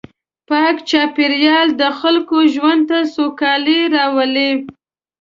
پاک چاپېریال د خلکو ژوند ته سوکالي راوړي.